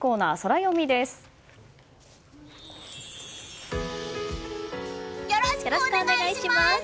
よろしくお願いします。